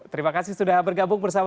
terima kasih sudah bergabung bersama